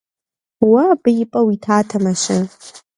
Уэ абы и пӀэ уитатэмэ-щэ?